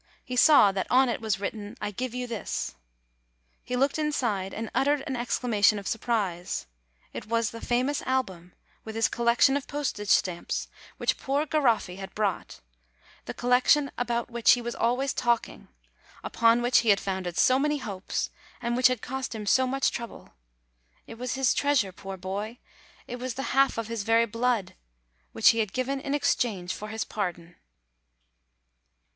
He saw that on it was written, "I give you this." He looked inside, and uttered an exclamation of surprise. It was the famous album, with his collection of postage THE LITTLE FLORENTINE SCRIBE 71 stamps, which poor Garoffi had brought, the col lection about which he was always talking, upon which he had founded so many hopes, and which had cost him so much trouble. It was his treasure, poor boy! it was the half of his very blood, which he had given in exchange for his pardon.